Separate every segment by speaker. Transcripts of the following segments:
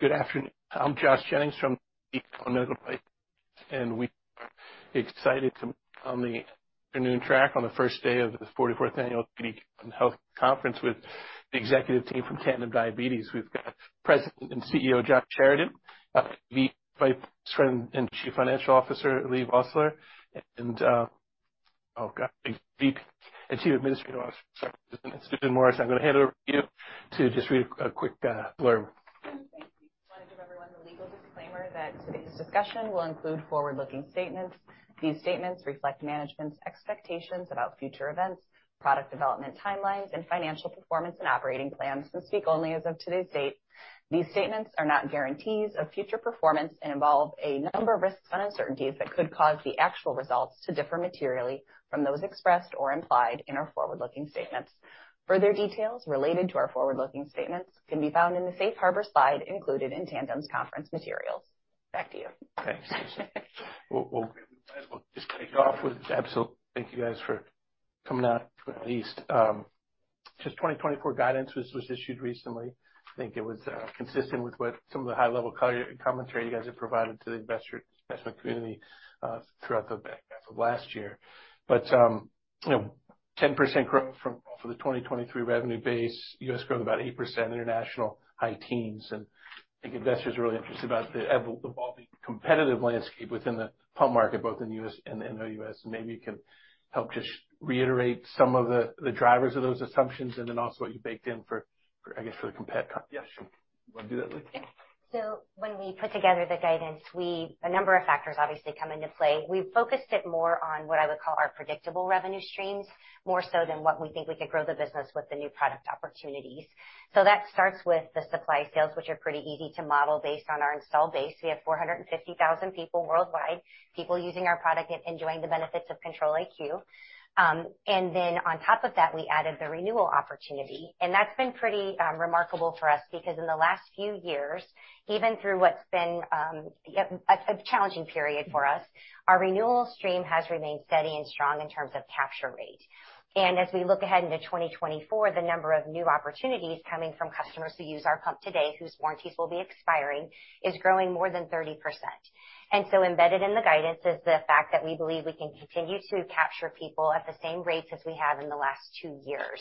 Speaker 1: Good afternoon. I'm Josh Jennings from TD Cowen Medical Devices, and we are excited to be on the afternoon track on the first day of the 44th Annual TD Cowen Health Care Conference with the executive team from Tandem Diabetes. We've got President and CEO John Sheridan, Vice President and Chief Financial Officer Leigh Vosseller, and oh, God, EVP and Chief Administrative Officer Susan Morrison. I'm going to hand it over to you to just read a quick blurb.
Speaker 2: Thank you. I want to give everyone the legal disclaimer that today's discussion will include forward-looking statements. These statements reflect management's expectations about future events, product development timelines, and financial performance and operating plans and speak only as of today's date. These statements are not guarantees of future performance and involve a number of risks and uncertainties that could cause the actual results to differ materially from those expressed or implied in our forward-looking statements. Further details related to our forward-looking statements can be found in the Safe Harbor slide included in Tandem's conference materials. Back to you.
Speaker 1: Thanks, Susan. Well, we might as well just kick off with absolute thank you guys for coming out, at least. Just 2024 guidance was issued recently. I think it was consistent with what some of the high-level commentary you guys have provided to the investor investment community throughout the back of last year. But 10% growth from off of the 2023 revenue base, U.S. growth about 8%, international high teens and I think investors are really interested about the evolving competitive landscape within the pump market, both in the U.S. and in the OUS and maybe you can help just reiterate some of the drivers of those assumptions and then also what you baked in for, I guess, for the compet-
Speaker 3: Yes.
Speaker 1: you want to do that, Leigh?
Speaker 4: Yeah. So when we put together the guidance, a number of factors obviously come into play. We focused it more on what I would call our predictable revenue streams, more so than what we think we could grow the business with the new product opportunities. So that starts with the supply sales, which are pretty easy to model based on our install base. We have 450,000 people worldwide, people using our product and enjoying the benefits of Control-IQ. And then on top of that, we added the renewal opportunity and that's been pretty remarkable for us because in the last few years, even through what's been a challenging period for us, our renewal stream has remained steady and strong in terms of capture rate. As we look ahead into 2024, the number of new opportunities coming from customers who use our pump today, whose warranties will be expiring, is growing more than 30%. So embedded in the guidance is the fact that we believe we can continue to capture people at the same rates as we have in the last 2 years.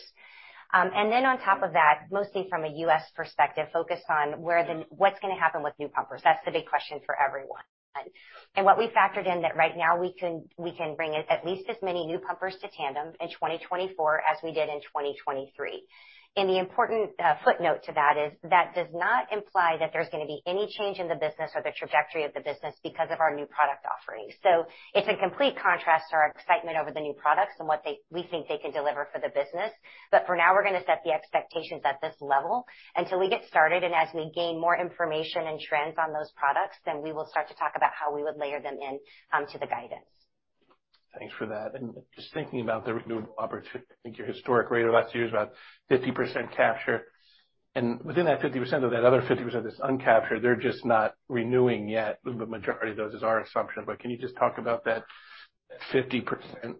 Speaker 4: Then on top of that, mostly from a U.S. perspective, focus on what's going to happen with new pumpers. That's the big question for everyone. What we factored in that right now we can bring at least as many new pumpers to Tandem in 2024 as we did in 2023. The important footnote to that is that does not imply that there's going to be any change in the business or the trajectory of the business because of our new product offering. It's in complete contrast to our excitement over the new products and what we think they can deliver for the business but for now, we're going to set the expectations at this level until we get started. As we gain more information and trends on those products, then we will start to talk about how we would layer them into the guidance.
Speaker 1: Thanks for that. Just thinking about the renewal opportunity, I think your historic rate of last year is about 50% capture. Within that 50%, though, that other 50% that's uncaptured, they're just not renewing yet. The majority of those is our assumption. But can you just talk about that 50%?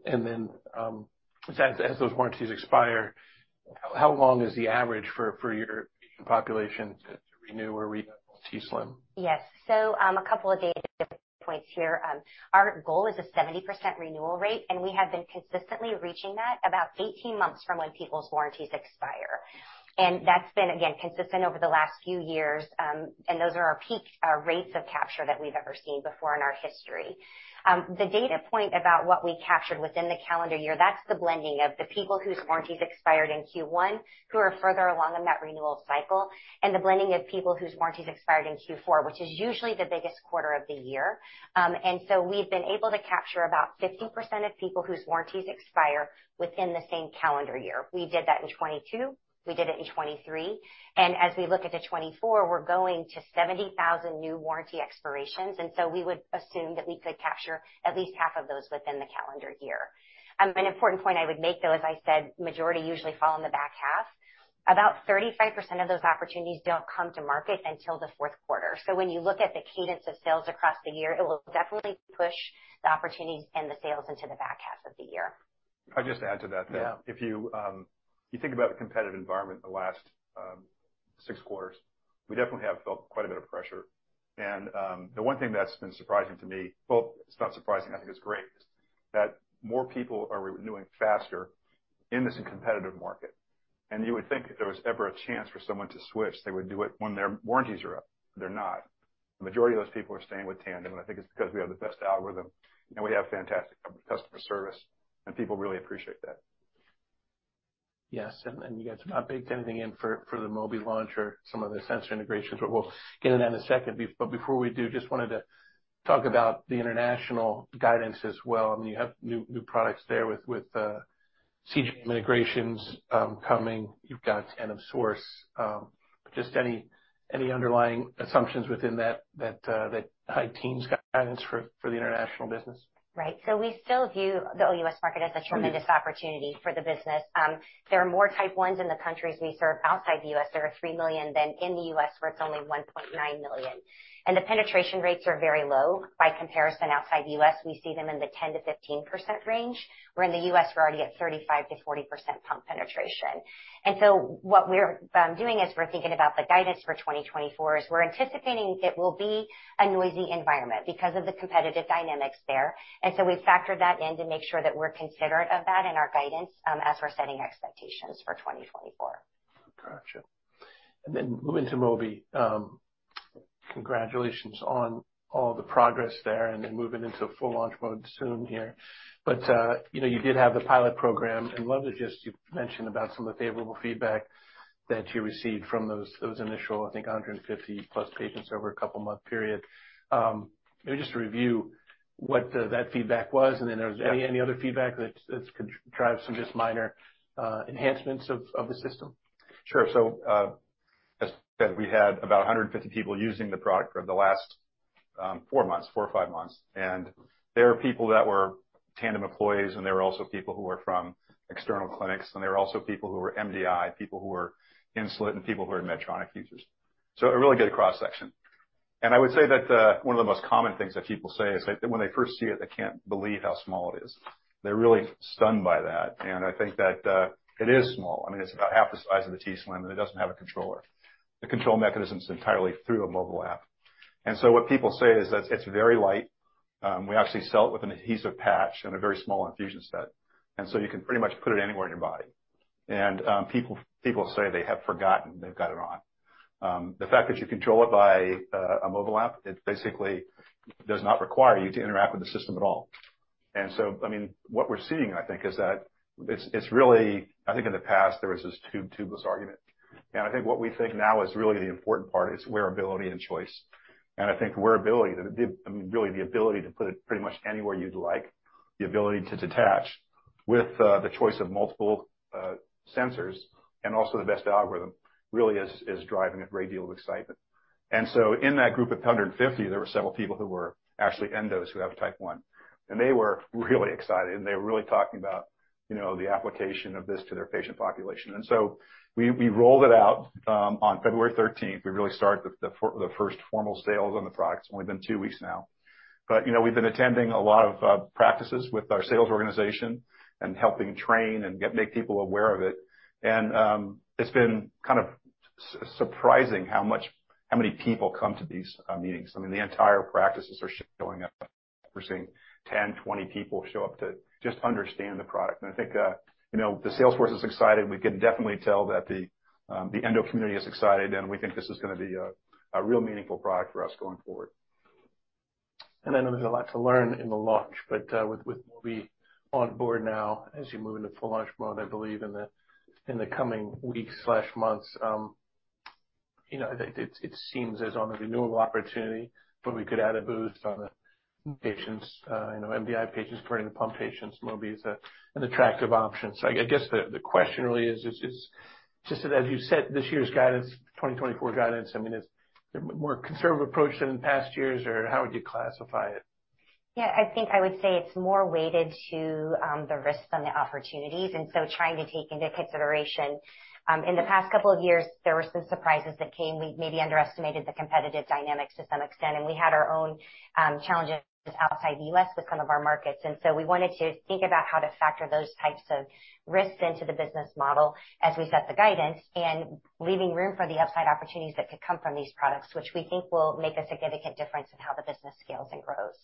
Speaker 1: Then as those warranties expire, how long is the average for your population to renew or redevelop t:slim?
Speaker 4: Yes. So a couple of data points here. Our goal is a 70% renewal rate, and we have been consistently reaching that about 18 months from when people's warranties expire and that's been, again, consistent over the last few years. Those are our peak rates of capture that we've ever seen before in our history. The data point about what we captured within the calendar year, that's the blending of the people whose warranties expired in Q1, who are further along in that renewal cycle, and the blending of people whose warranties expired in Q4, which is usually the biggest quarter of the year. And so, we've been able to capture about 50% of people whose warranties expire within the same calendar year. We did that in 2022. We did it in 2023 and as we look at the 2024, we're going to 70,000 new warranty expirations. So we would assume that we could capture at least half of those within the calendar year. An important point I would make, though, as I said, majority usually fall in the back half. About 35% of those opportunities don't come to market until the fourth quarter. When you look at the cadence of sales across the year, it will definitely push the opportunities and the sales into the back half of the year.
Speaker 3: I'll just add to that, though. If you think about the competitive environment the last six quarters, we definitely have felt quite a bit of pressure. And the one thing that's been surprising to me, well, it's not surprising. I think it's great, is that more people are renewing faster in this competitive market. And you would think if there was ever a chance for someone to switch, they would do it when their warranties are up. They're not. The majority of those people are staying with Tandem, and I think it's because we have the best algorithm, and we have fantastic customer service, and people really appreciate that.
Speaker 1: Yes. And you guys have not baked anything in for the Mobi launch or some of the sensor integrations, but we'll get into that in a second. But before we do, just wanted to talk about the international guidance as well. I mean, you have new products there with CGM integrations coming. You've got Tandem Source. Just any underlying assumptions within that high-teens guidance for the international business?
Speaker 4: Right. So we still view the OUS market as a tremendous opportunity for the business. There are more Type 1s in the countries we serve outside the U.S. There are 3 million than in the U.S., where it's only 1.9 million. And the penetration rates are very low. By comparison, outside the U.S., we see them in the 10%-15% range, where in the U.S., we're already at 35%-40% pump penetration. And so, what we're doing as we're thinking about the guidance for 2024 is we're anticipating it will be a noisy environment because of the competitive dynamics there. And so we factored that in to make sure that we're considerate of that in our guidance as we're setting expectations for 2024.
Speaker 1: Got you. Then moving to Mobi, congratulations on all the progress there and then moving into full launch mode soon here. But you did have the pilot program. And I'd love to just you mentioned about some of the favorable feedback that you received from those initial, I think, 150+ patients over a couple-month period. Maybe just to review what that feedback was, and then if there's any other feedback that could drive some just minor enhancements of the system.
Speaker 3: Sure. So as I said, we had about 150 people using the product for the last four months, four or five months, and there are people that were Tandem employees, and there were also people who were from external clinics., and there were also people who were MDI, people who were insulin, and people who were Medtronic users. So a really good cross-section. And I would say that one of the most common things that people say is that when they first see it, they can't believe how small it is. They're really stunned by that. And I think that it is small. I mean, it's about half the size of the t:slim, and it doesn't have a controller. The control mechanism's entirely through a mobile app. And so what people say is that it's very light. We actually sell it with an adhesive patch and a very small infusion set. So you can pretty much put it anywhere in your body. People say they have forgotten they've got it on. The fact that you control it by a mobile app, it basically does not require you to interact with the system at all. So, I mean, what we're seeing, I think, is that it's really, I think, in the past, there was this tube-tubeless argument. I think what we think now is really the important part is wearability and choice. I think wearability, I mean, really the ability to put it pretty much anywhere you'd like, the ability to detach with the choice of multiple sensors and also the best algorithm really is driving a great deal of excitement. And so in that group of 150, there were several people who were actually endos who have Type 1. And they were really excited, and they were really talking about the application of this to their patient population. And so we rolled it out on February 13th. We really started the first formal sales on the product. It's only been two weeks now. But we've been attending a lot of practices with our sales organization and helping train and make people aware of it. And it's been kind of surprising how many people come to these meetings. I mean, the entire practices are showing up. We're seeing 10, 20 people show up to just understand the product and I think the sales force is excited. We can definitely tell that the endo community is excited, and we think this is going to be a real meaningful product for us going forward.
Speaker 1: I know there's a lot to learn in the launch, but with Mobi on board now as you move into full launch mode, I believe, in the coming weeks/months, it seems as on the renewal opportunity, but we could add a boost on the patients, MDI patients, currently the pump patients. Mobi is an attractive option. So I guess the question really is just that, as you said, this year's guidance, 2024 guidance, I mean, is there a more conservative approach than in past years, or how would you classify it?
Speaker 4: Yeah. I think I would say it's more weighted to the risks than the opportunities. And so trying to take into consideration in the past couple of years, there were some surprises that came. We maybe underestimated the competitive dynamics to some extent, and we had our own challenges outside the U.S. with some of our markets. And so we wanted to think about how to factor those types of risks into the business model as we set the guidance and leaving room for the upside opportunities that could come from these products, which we think will make a significant difference in how the business scales and grows.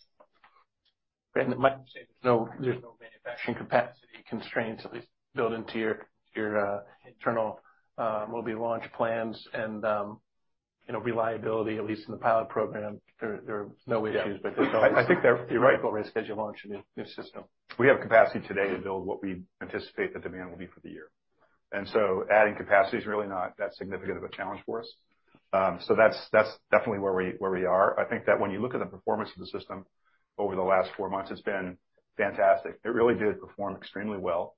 Speaker 1: Great. And there's no manufacturing capacity constraints, at least built into your internal Mobi launch plans and reliability, at least in the pilot program. There are no issues, but there's always.
Speaker 3: I think there are theoretical risks as you launch a new system. We have capacity today to build what we anticipate the demand will be for the year. And so adding capacity is really not that significant of a challenge for us. So that's definitely where we are. I think that when you look at the performance of the system over the last four months, it's been fantastic. It really did perform extremely well.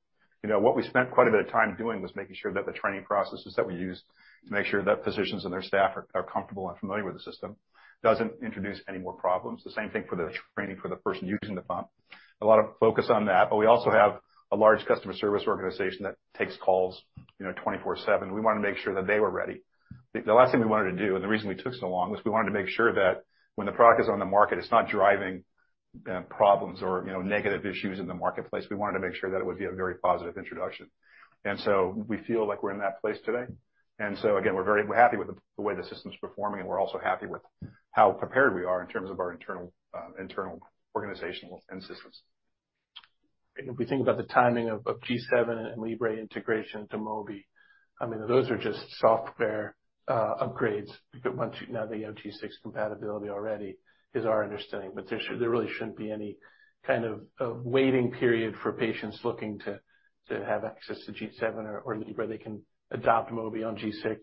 Speaker 3: What we spent quite a bit of time doing was making sure that the training processes that we used to make sure that physicians and their staff are comfortable and familiar with the system doesn't introduce any more problems. The same thing for the training for the person using the pump. A lot of focus on that. But we also have a large customer service organization that takes calls 24/7. We wanted to make sure that they were ready. The last thing we wanted to do, and the reason we took so long, was we wanted to make sure that when the product is on the market, it's not driving problems or negative issues in the marketplace. We wanted to make sure that it would be a very positive introduction. And so we feel like we're in that place today. And so, again, we're happy with the way the system's performing, and we're also happy with how prepared we are in terms of our internal organizational end systems.
Speaker 1: If we think about the timing of G7 and Libre integration to Mobi, I mean, those are just software upgrades. Now, they have G6 compatibility already, is our understanding. But there really shouldn't be any kind of waiting period for patients looking to have access to G7 or Libre. They can adopt Mobi on G6,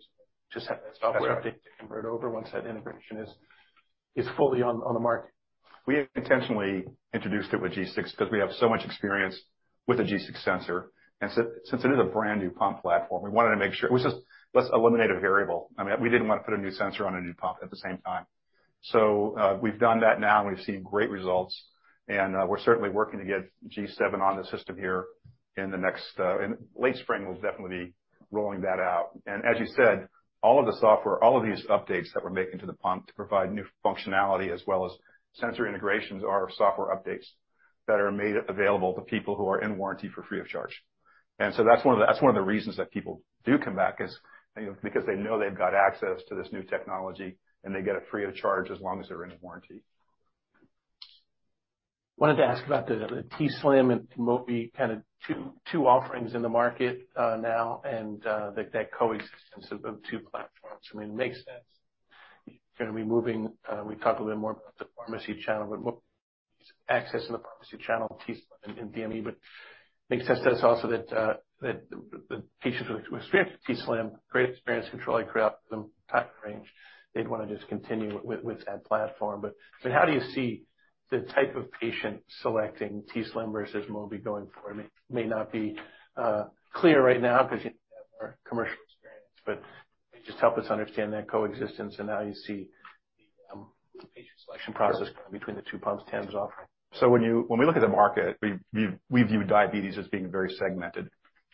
Speaker 1: just have that software update to convert over once that integration is fully on the market.
Speaker 3: We intentionally introduced it with G6 because we have so much experience with a G6 sensor. Since it is a brand new pump platform, we wanted to make sure it was just let's eliminate a variable. I mean, we didn't want to put a new sensor on a new pump at the same time. We've done that now, and we've seen great results. We're certainly working to get G7 on the system here in the next late spring. We'll definitely be rolling that out. As you said, all of the software, all of these updates that we're making to the pump to provide new functionality as well as sensor integrations are software updates that are made available to people who are in warranty for free of charge. And so that's one of the reasons that people do come back is because they know they've got access to this new technology, and they get it free of charge as long as they're in warranty.
Speaker 1: Wanted to ask about the t:slim and Mobi, kind of two offerings in the market now and that coexistence of two platforms. I mean, it makes sense. You're going to be moving. We talked a little bit more about the pharmacy channel, but access in the pharmacy channel, t:slim and DME. But it makes sense to us also that the patients with experience with t:slim, great experience controlling their algorithm, time range, they'd want to just continue with that platform. But I mean, how do you see the type of patient selecting t:slim versus Mobi going forward? It may not be clear right now because you have more commercial experience, but just help us understand that coexistence and how you see the patient selection process going between the two pumps, Tandem's offering.
Speaker 3: So when we look at the market, we view diabetes as being very segmented.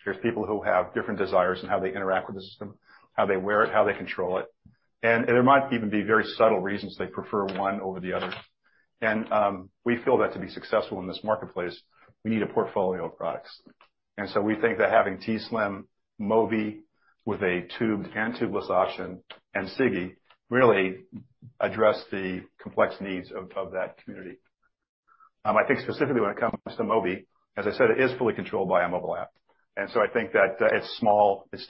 Speaker 3: There's people who have different desires in how they interact with the system, how they wear it, how they control it. There might even be very subtle reasons they prefer one over the other. We feel that to be successful in this marketplace, we need a portfolio of products. So we think that having t:slim, Mobi with a tubed and tubeless option, and Sigi really address the complex needs of that community. I think specifically when it comes to Mobi, as I said, it is fully controlled by a mobile app. So I think that it's small. It's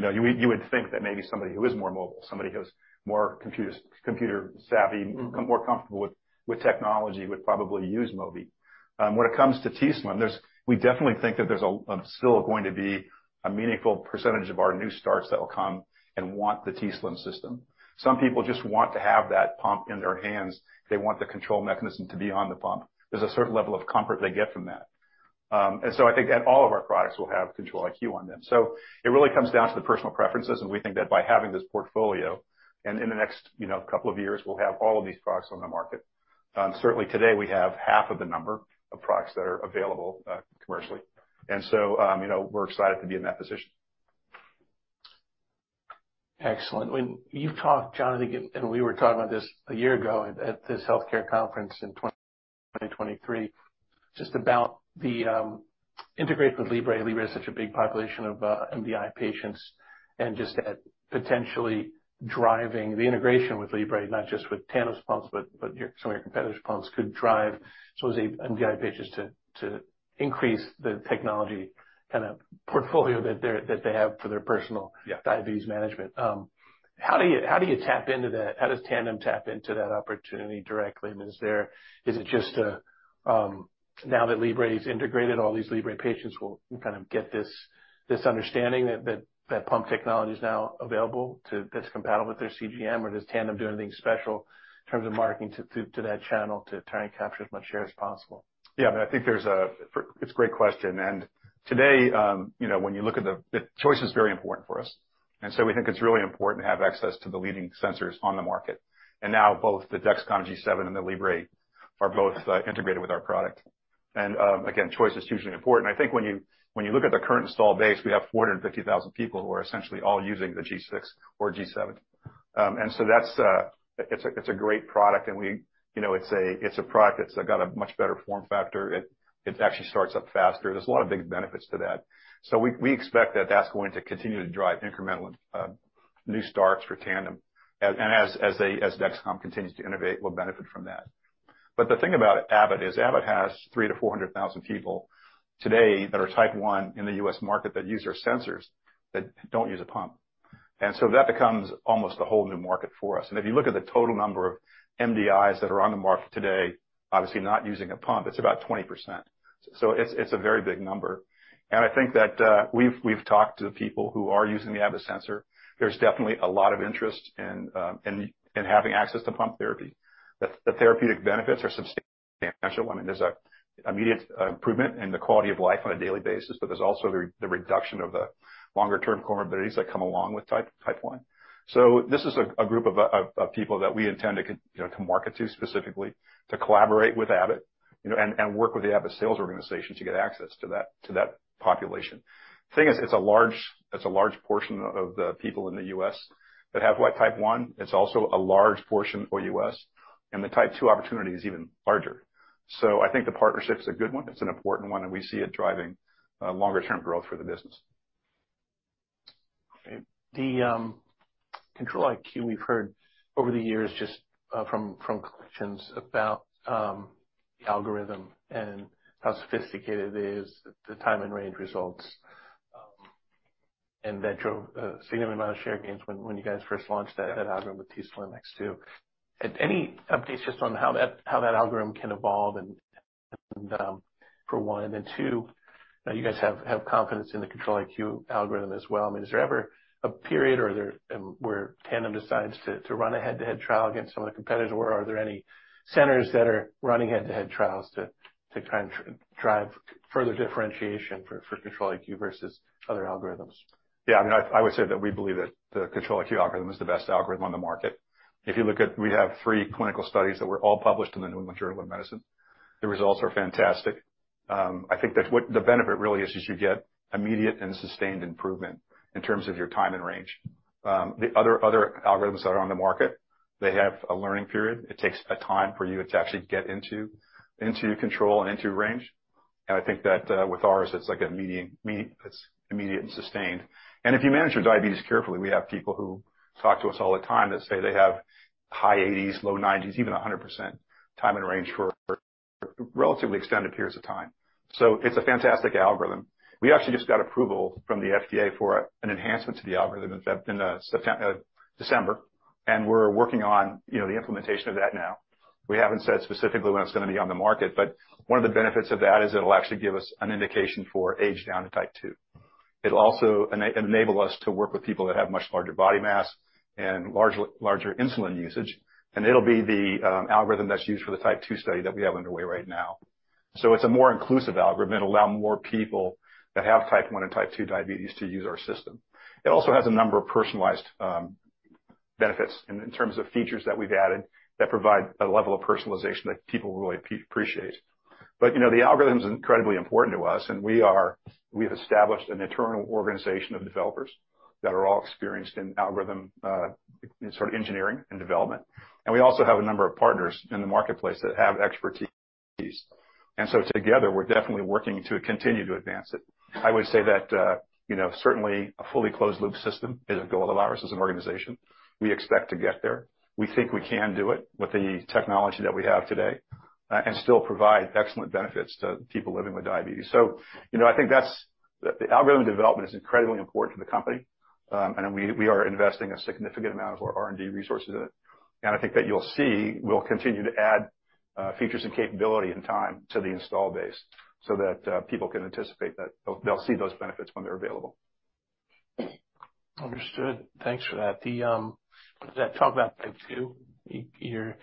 Speaker 3: discrete. You would think that maybe somebody who is more mobile, somebody who's more computer-savvy, more comfortable with technology would probably use Mobi. When it comes to t:slim, we definitely think that there's still going to be a meaningful percentage of our new starts that will come and want the t:slim system. Some people just want to have that pump in their hands. They want the control mechanism to be on the pump. There's a certain level of comfort they get from that. I think that all of our products will have Control-IQ on them. It really comes down to the personal preferences. We think that by having this portfolio and in the next couple of years, we'll have all of these products on the market. Certainly, today, we have half of the number of products that are available commercially. We're excited to be in that position.
Speaker 1: Excellent. You've talked, John, I think, and we were talking about this a year ago at this healthcare conference in 2023, just about the integration with Libre. Libre is such a big population of MDI patients. And just that potentially driving the integration with Libre, not just with Tandem's pumps, but some of your competitors' pumps, could drive some of the MDI patients to increase the technology kind of portfolio that they have for their personal diabetes management. How do you tap into that? How does Tandem tap into that opportunity directly? I mean, is it just now that Libre's integrated, all these Libre patients will kind of get this understanding that pump technology is now available that's compatible with their CGM? Or does Tandem do anything special in terms of marketing to that channel to try and capture as much share as possible?
Speaker 3: Yeah. I mean, I think it's a great question. And today, when you look at the choice is very important for us. And so we think it's really important to have access to the leading sensors on the market. And now, both the Dexcom G7 and the Libre are both integrated with our product. And again, choice is hugely important. I think when you look at the current install base, we have 450,000 people who are essentially all using the G6 or G7. It's a great product, and it's a product that's got a much better form factor. It actually starts up faster. There's a lot of big benefits to that. So we expect that that's going to continue to drive incremental new starts for Tandem and as Dexcom continues to innovate, we'll benefit from that. But the thing about Abbott is Abbott has 300,000-400,000 people today that are Type 1 in the U.S. market that use their sensors that don't use a pump. And so that becomes almost a whole new market for us. And if you look at the total number of MDIs that are on the market today, obviously, not using a pump, it's about 20%. So it's a very big number. And I think that we've talked to the people who are using the Abbott sensor. There's definitely a lot of interest in having access to pump therapy. The therapeutic benefits are substantial. I mean, there's an immediate improvement in the quality of life on a daily basis, but there's also the reduction of the longer-term comorbidities that come along with Type 1. So this is a group of people that we intend to market to specifically, to collaborate with Abbott and work with the Abbott sales organization to get access to that population. The thing is, it's a large portion of the people in the U.S. that have Type 1. It's also a large portion of the U.S. and the Type 2 opportunity is even larger. So I think the partnership's a good one. It's an important one, and we see it driving longer-term growth for the business.
Speaker 1: Great. The Control-IQ we've heard over the years just from conversations about the algorithm and how sophisticated it is, the time in range results, and that drove a significant amount of share gains when you guys first launched that algorithm with t:slim X2. Any updates just on how that algorithm can evolve for one? And then two, you guys have confidence in the Control-IQ algorithm as well. I mean, is there ever a period where Tandem decides to run a head-to-head trial against some of the competitors, or are there any centers that are running head-to-head trials to kind of drive further differentiation for Control-IQ versus other algorithms?
Speaker 3: Yeah. I mean, I would say that we believe that the Control-IQ algorithm is the best algorithm on the market. If you look at, we have three clinical studies that were all published in the New England Journal of Medicine. The results are fantastic. I think that what the benefit really is you get immediate and sustained improvement in terms of your Time in Range. The other algorithms that are on the market, they have a learning period. It takes a time for you to actually get into control and into range. And I think that with ours, it's immediate and sustained. And if you manage your diabetes carefully, we have people who talk to us all the time that say they have high 80s, low 90s, even 100% Time in Range for relatively extended periods of time. So it's a fantastic algorithm. We actually just got approval from the FDA for an enhancement to the algorithm in December, and we're working on the implementation of that now. We haven't said specifically when it's going to be on the market, but one of the benefits of that is it'll actually give us an indication for ages down to Type 2. It'll also enable us to work with people that have much larger body mass and larger insulin usage. It'll be the algorithm that's used for the Type 2 study that we have underway right now. It's a more inclusive algorithm. It'll allow more people that have Type 1 and Type 2 diabetes to use our system. It also has a number of personalized benefits in terms of features that we've added that provide a level of personalization that people really appreciate. But the algorithm's incredibly important to us, and we have established an internal organization of developers that are all experienced in algorithm sort of engineering and development. And we also have a number of partners in the marketplace that have expertise. And so together, we're definitely working to continue to advance it. I would say that certainly, a fully closed-loop system is a goal of ours as an organization. We expect to get there. We think we can do it with the technology that we have today and still provide excellent benefits to people living with diabetes. So I think that's the algorithm development is incredibly important to the company, and we are investing a significant amount of our R&D resources in it. I think that you'll see we'll continue to add features and capability in time to the install base so that people can anticipate that they'll see those benefits when they're available.
Speaker 1: Understood. Thanks for that. Did I talk about Type 2? Your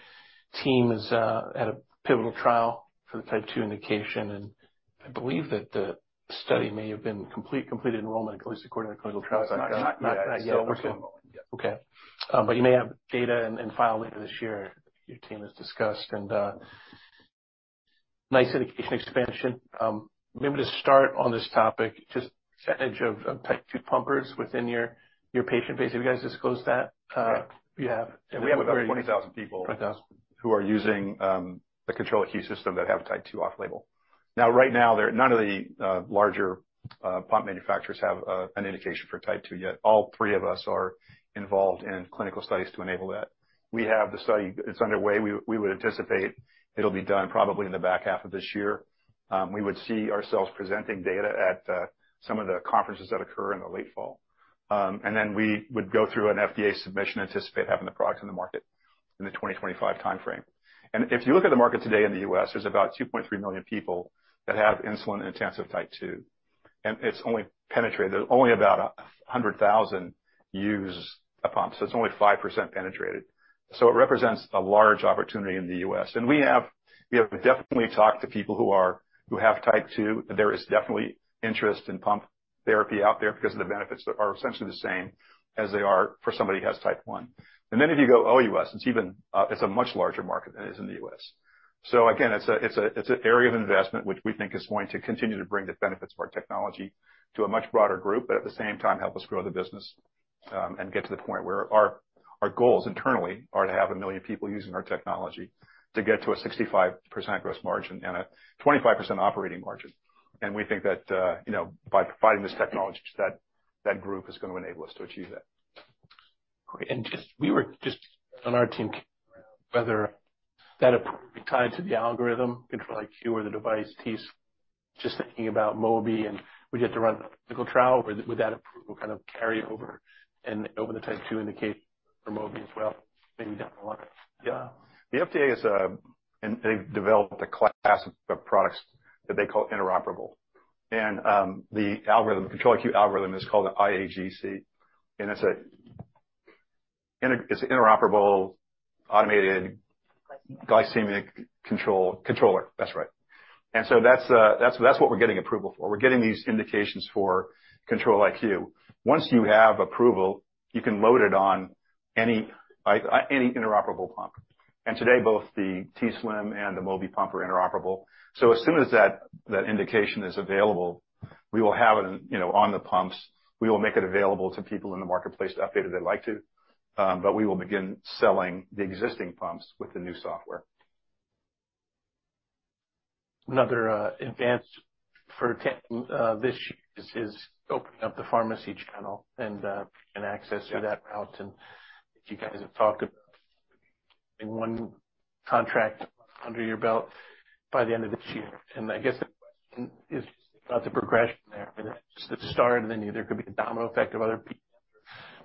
Speaker 1: team is at a pivotal trial for the Type 2 indication, and I believe that the study may have been complete enrollment, at least according to the pivotal trial.
Speaker 3: It's not yet formal.
Speaker 1: Okay. But you may have data and file later this year. Your team has discussed and nice indication expansion. Maybe to start on this topic, just percentage of Type 2 pumpers within your patient base. Have you guys disclosed that?
Speaker 3: Yeah.
Speaker 1: You have.
Speaker 3: We have about 20,000 people-
Speaker 1: Fantastic....
Speaker 3: who are using the Control-IQ system that have Type 2 off-label. Now, right now, none of the larger pump manufacturers have an indication for Type 2 yet. All three of us are involved in clinical studies to enable that. We have the study. It's underway. We would anticipate it'll be done probably in the back half of this year. We would see ourselves presenting data at some of the conferences that occur in the late fall. And then we would go through an FDA submission, anticipate having the product in the market in the 2025-time frame. And if you look at the market today in the U.S., there's about 2.3 million people that have insulin-intensive Type 2. And it's only penetrated. Only about 100,000 use a pump. It's only 5% penetrated. It represents a large opportunity in the U.S. We have definitely talked to people who have Type 2. There is definitely interest in pump therapy out there because of the benefits that are essentially the same as they are for somebody who has Type 1. Then if you go OUS, it's a much larger market than it is in the U.S. Again, it's an area of investment which we think is going to continue to bring the benefits of our technology to a much broader group, but at the same time, help us grow the business and get to the point where our goals internally are to have a million people using our technology to get to a 65% gross margin and a 25% operating margin. We think that by providing this technology, that group is going to enable us to achieve that.
Speaker 1: Great. And we were just on our team whether that approval would be tied to the algorithm, Control-IQ, or the device t:slim. Just thinking about Mobi, and would you have to run a clinical trial, or would that approval kind of carry over and over the Type 2 indication for Mobi as well? Maybe down the line.
Speaker 3: Yeah. The FDA has developed a class of products that they call interoperable. The Control-IQ algorithm is called the IAGC. And it's an interoperable automated glycemic controller. That's right. So that's what we're getting approval for. We're getting these indications for Control-IQ. Once you have approval, you can load it on any interoperable pump. And today, both the t:slim and the Mobi pump are interoperable. So as soon as that indication is available, we will have it on the pumps. We will make it available to people in the marketplace to update it if they'd like to. But we will begin selling the existing pumps with the new software.
Speaker 1: Another advance for Tandem this year is opening up the pharmacy channel and access through that route. And you guys have talked about having one contract under your belt by the end of this year. And I guess the question is just about the progression there. I mean, that's just the start, and then either there could be a domino effect of other people.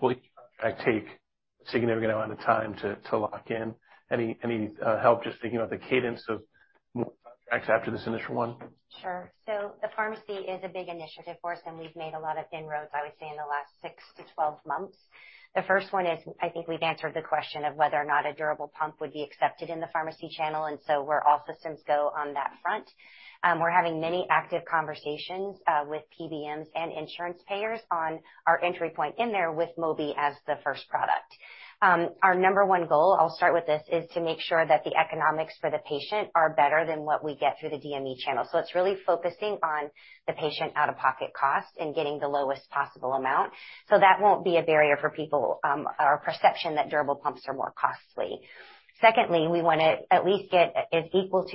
Speaker 1: Will each contract take a significant amount of time to lock in? Any help just thinking about the cadence of more contracts after this initial one?
Speaker 4: Sure. So the pharmacy is a big initiative for us, and we've made a lot of inroads, I would say, in the last six to 12 months. The first one is I think we've answered the question of whether or not a durable pump would be accepted in the pharmacy channel. And so where all systems go on that front, we're having many active conversations with PBMs and insurance payers on our entry point in there with Mobi as the first product. Our number one goal, I'll start with this, is to make sure that the economics for the patient are better than what we get through the DME channel. It's really focusing on the patient out-of-pocket cost and getting the lowest possible amount so that won't be a barrier for people or a perception that durable pumps are more costly. Secondly, we want to at least get as equal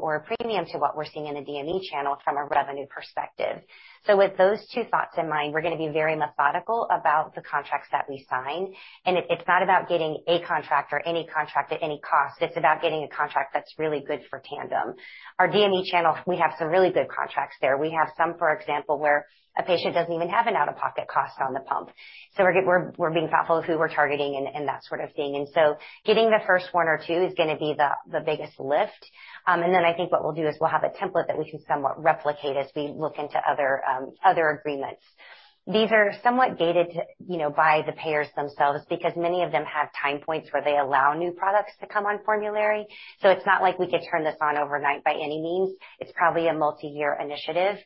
Speaker 4: to or a premium to what we're seeing in the DME channel from a revenue perspective. So with those two thoughts in mind, we're going to be very methodical about the contracts that we sign and it's not about getting a contract or any contract at any cost. It's about getting a contract that's really good for Tandem. Our DME channel, we have some really good contracts there. We have some, for example, where a patient doesn't even have an out-of-pocket cost on the pump. So we're being thoughtful of who we're targeting and that sort of thing and so, getting the first one or two is going to be the biggest lift. Then I think what we'll do is we'll have a template that we can somewhat replicate as we look into other agreements. These are somewhat gated by the payers themselves because many of them have time points where they allow new products to come on formulary. So it's not like we could turn this on overnight by any means. It's probably a multi-year initiative.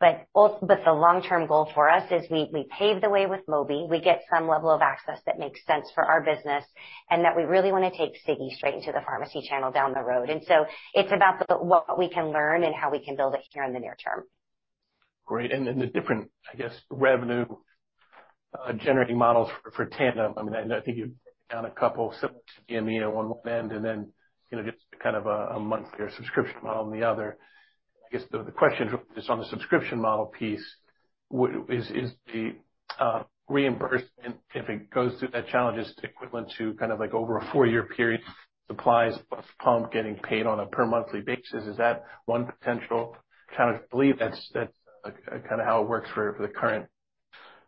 Speaker 4: But the long-term goal for us is we pave the way with Mobi. We get some level of access that makes sense for our business and that we really want to take Sigi straight into the pharmacy channel down the road. And so it's about what we can learn and how we can build it here in the near term.
Speaker 1: Great. And then the different, I guess, revenue-generating models for Tandem, I mean, I think you've broken down a couple similar to DME on one end and then just kind of a monthly or subscription model on the other. I guess the question is on the subscription model piece. Is the reimbursement, if it goes through that challenge, equivalent to kind of over a four-year period, supplies plus pump getting paid on a per-monthly basis? Is that one potential challenge? I believe that's kind of how it works for the current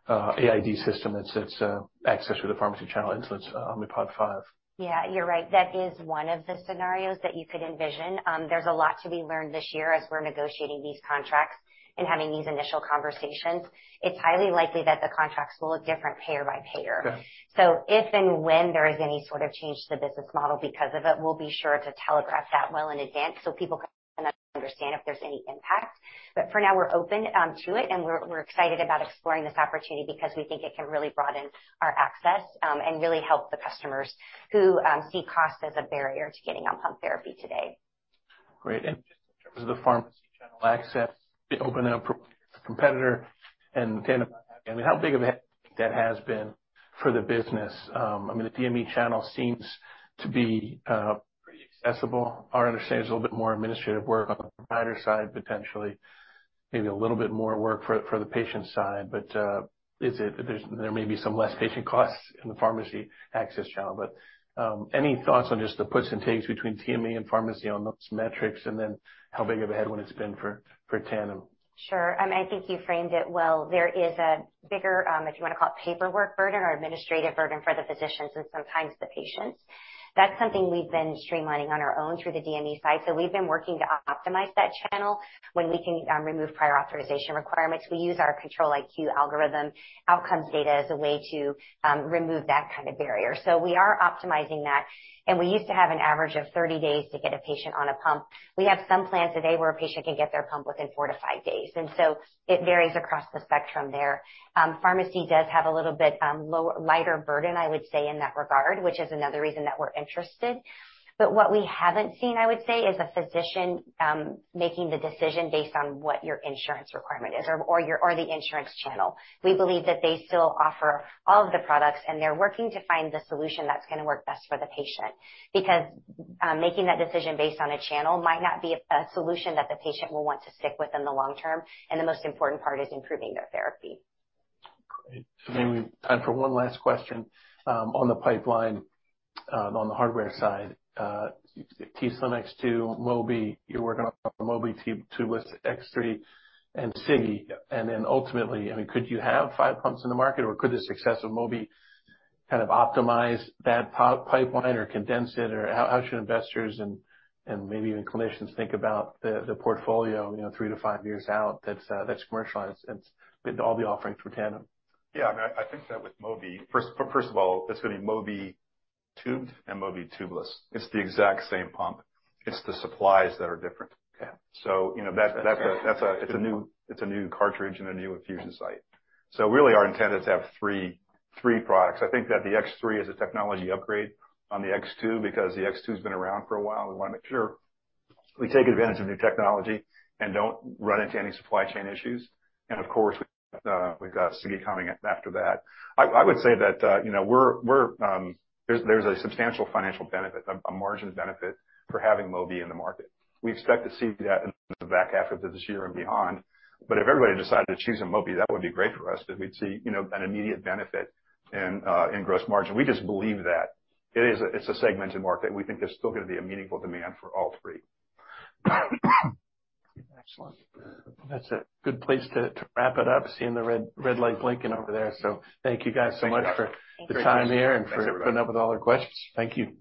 Speaker 1: AID system that's accessed through the pharmacy channel, Insulet's Omnipod 5.
Speaker 4: Yeah. You're right. That is one of the scenarios that you could envision. There's a lot to be learned this year as we're negotiating these contracts and having these initial conversations. It's highly likely that the contracts will look different payer by payer. So if and when there is any sort of change to the business model because of it, we'll be sure to telegraph that well in advance so people can understand if there's any impact. But for now, we're open to it, and we're excited about exploring this opportunity because we think it can really broaden our access and really help the customers who see cost as a barrier to getting on pump therapy today.
Speaker 1: Great. And just in terms of the pharmacy channel access, opening up for competitor and Tandem, and how big of a hit that has been for the business? I mean, the DME channel seems to be pretty accessible. Our understanding is a little bit more administrative work on the provider side, potentially, maybe a little bit more work for the patient side. But there may be some less patient costs in the pharmacy access channel. But any thoughts on just the puts and takes between DME and pharmacy on those metrics and then how big of a headwind it's been for Tandem?
Speaker 4: Sure. I mean, I think you framed it well. There is a bigger, if you want to call it, paperwork burden or administrative burden for the physicians and sometimes the patients. That's something we've been streamlining on our own through the DME side. We've been working to optimize that channel when we can remove prior authorization requirements. We use our Control-IQ algorithm outcomes data as a way to remove that kind of barrier so we are optimizing that. And we used to have an average of 30 days to get a patient on a pump. We have some plans today where a patient can get their pump within four to five days. And so it varies across the spectrum there. Pharmacy does have a little bit lighter burden, I would say, in that regard, which is another reason that we're interested. But what we haven't seen, I would say, is a physician making the decision based on what your insurance requirement is or the insurance channel. We believe that they still offer all of the products, and they're working to find the solution that's going to work best for the patient because making that decision based on a channel might not be a solution that the patient will want to stick with in the long term. And the most important part is improving their therapy.
Speaker 1: Great. I mean, we have time for one last question on the pipeline on the hardware side. t:slim X2, Mobi, you're working on Mobi tubeless, X3 and Sigi. And then ultimately, I mean, could you have five pumps in the market, or could the success of Mobi kind of optimize that pipeline or condense it? Or how should investors and maybe even clinicians think about the portfolio three to five years out that's commercialized and all the offerings for Tandem?
Speaker 3: Yeah. I mean, I think that with Mobi, first of all, it's going to be Mobi tubed and Mobi tubeless. It's the exact same pump. It's the supplies that are different. So it's a new cartridge and a new infusion site. So really, our intent is to have three products. I think that the X3 is a technology upgrade on the X2 because the X2 has been around for a while. We want to make sure we take advantage of new technology and don't run into any supply chain issues. And of course, we've got Sigi coming after that. I would say that there's a substantial financial benefit, a margin benefit for having Mobi in the market. We expect to see that in the back half of this year and beyond. But if everybody decided to choose a Mobi, that would be great for us because we'd see an immediate benefit in gross margin. We just believe that. It's a segmented market. We think there's still going to be a meaningful demand for all three.
Speaker 1: Excellent. Well, that's a good place to wrap it up, seeing the red light blinking over there. So thank you guys so much for the time here and for coming up with all our questions. Thank you.